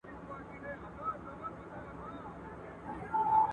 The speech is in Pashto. وئېل ئې دا د خپلو خواهشونو غلامان دي !.